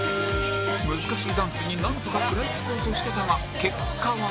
難しいダンスになんとか食らいつこうとしてたが結果は×